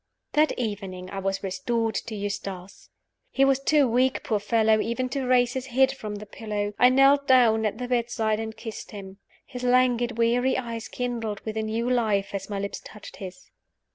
That evening I was restored to Eustace. He was too weak, poor fellow, even to raise his head from the pillow. I knelt down at the bedside and kissed him. His languid, weary eyes kindled with a new life as my lips touched his.